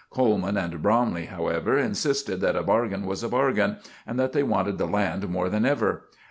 Coleman and Bromley, however, insisted that a bargain was a bargain, and that they wanted the land more than ever.